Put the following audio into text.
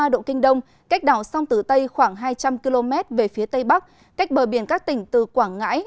một mươi độ kinh đông cách đảo sông tử tây khoảng hai trăm linh km về phía tây bắc cách bờ biển các tỉnh từ quảng ngãi